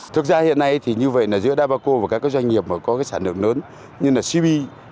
thực ra hiện nay thì như vậy là giữa đa bà cô và các doanh nghiệp mà có cái sản lượng lớn như là cp